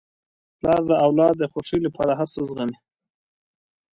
پلار د اولاد د خوښۍ لپاره هر څه زغمي.